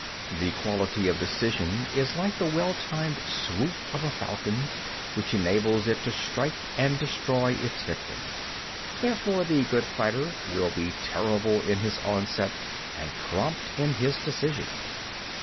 13. The quality of decision is like the well timed swoop of a falcon which enables it to strike and destroy its victim. 14. Therefore the good fighter will be terrible in his onset, and prompt in his decision.